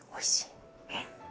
えっ？